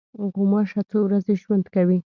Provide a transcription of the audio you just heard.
غوماشه څو ورځې ژوند کوي.